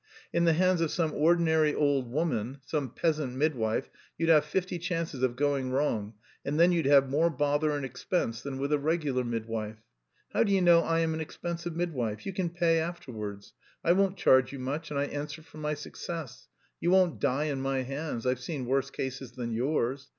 In the hands of some ordinary old woman, some peasant midwife, you'd have fifty chances of going wrong and then you'd have more bother and expense than with a regular midwife. How do you know I am an expensive midwife? You can pay afterwards; I won't charge you much and I answer for my success; you won't die in my hands, I've seen worse cases than yours.